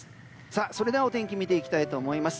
それではお天気見ていきます。